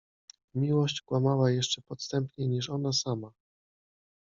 Miłość kłamała jeszcze podstępniej niż ona sama.